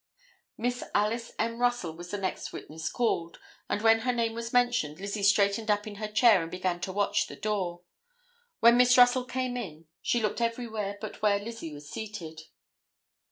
Miss Alice M. Russell was the next witness called, and when her name was mentioned, Lizzie straightened up in her chair and began to watch the door. When Miss Russell came in, she looked everywhere but where Lizzie was seated.